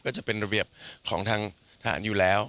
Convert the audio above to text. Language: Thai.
ก็จะเป็นระเบียบของทางทหารอยู่แล้ว